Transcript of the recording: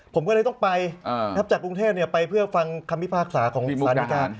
ผมก็เลยต้องไปจากกรุงเทพไปเพื่อฟังคำพิพากษาของสารดีการ